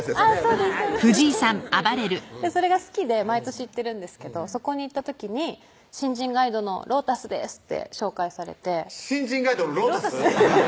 そうですそうですそれが好きで毎年行ってるんですけどそこに行った時に「新人ガイドのロータスです」って紹介されて新人ガイドのロータス？